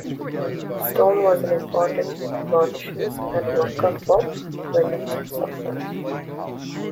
Stone was also an important abolitionist and worker for women's suffrage.